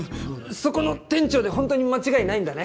そこの店長でホントに間違いないんだね！？